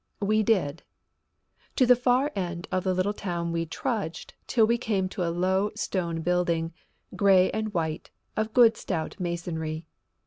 We did. To the far end of the little town we trudged till we came to a low stone building, gray and white, of good stout masonry.